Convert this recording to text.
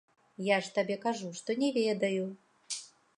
Я ж табе кажу, што не ведаю.